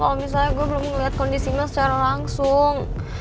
gue malah tenang kalo misalnya gue belum ngeliat kondisi lo secara langsung